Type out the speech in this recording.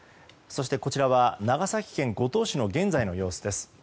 そして、こちらは長崎県五島市の現在の様子です。